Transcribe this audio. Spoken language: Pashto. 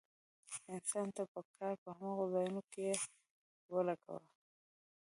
انسان ته پکار ده په هماغو ځايونو کې يې ولګوي.